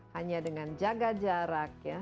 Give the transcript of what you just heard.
hanya dengan jaga jarak ya